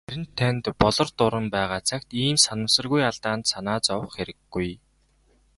Харин танд "Болор дуран" байгаа цагт ийм санамсаргүй алдаанд санаа зовох хэрэггүй.